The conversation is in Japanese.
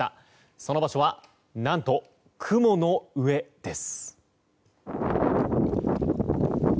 その場所は、何と雲の上です。